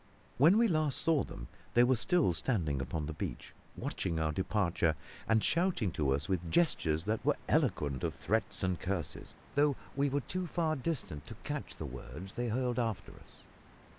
When we last saw them they were still standing upon the beach, watching our departure, and shouting to us with gestures that were eloquent of threats and curses, though we were too far distant to catch the words that they hurled after us.